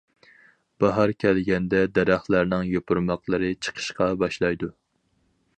باھار كەلگەندە دەرەخلەرنىڭ يوپۇرماقلىرى چىقىشقا باشلايدۇ.